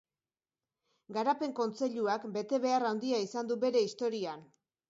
Garapen Kontseiluak betebehar handia izan du bere historian.